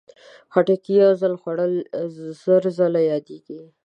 خټکی یو ځل خوړل، زر ځل یادېږي.